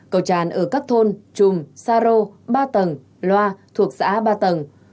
cầu tràn ở các thôn trùm sa rô ba tầng loa thuộc xã ba tầng